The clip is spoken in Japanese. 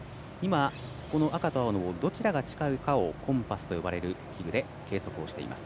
赤と青のどちらが近いかをコンパスと呼ばれる器具で計測しています。